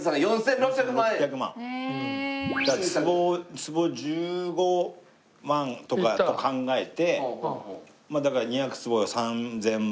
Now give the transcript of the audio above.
坪１５万とかだと考えてまあだから２００坪が３０００万。